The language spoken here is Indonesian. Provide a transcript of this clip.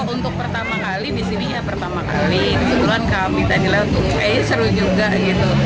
untuk pertama kali disini pertama kali kebetulan kami tadi lalu eh seru juga gitu